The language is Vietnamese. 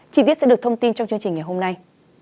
chi tiết sẽ được thông tin trong chương trình ngày hôm nay